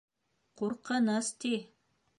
Ҡурҡыныс, ти.